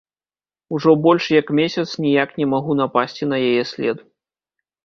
Ужо больш як месяц ніяк не магу напасці на яе след.